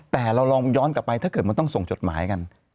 แต่เราลองย้อนกลับไปถ้าเกิดมันต้องส่งจดหมายกัน